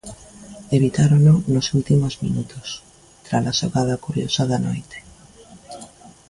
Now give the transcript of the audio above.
Evitárono nos últimos minutos, trala xogada curiosa da noite.